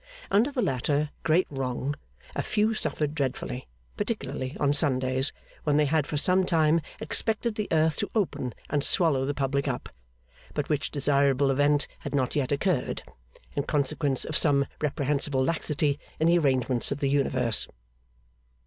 Under the latter great wrong, a few suffered dreadfully particularly on Sundays, when they had for some time expected the earth to open and swallow the public up; but which desirable event had not yet occurred, in consequence of some reprehensible laxity in the arrangements of the Universe.